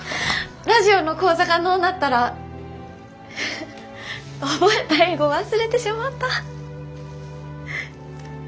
ラジオの講座がのうなったら覚えた英語忘れてしもうた。